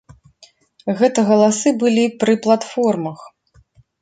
Гэта галасы былі пры платформах.